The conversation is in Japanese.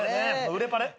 うれパレ。